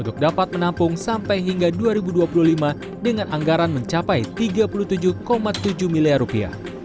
untuk dapat menampung sampai hingga dua ribu dua puluh lima dengan anggaran mencapai tiga puluh tujuh tujuh miliar rupiah